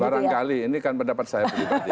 barangkali ini kan pendapat saya pribadi